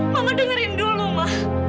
mama dengerin dulu ma